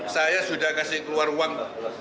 saya sudah kasih keluar uang lima sembilan